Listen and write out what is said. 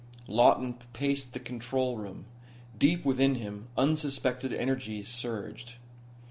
Lawton paced the control room. Deep within him unsuspected energies surged.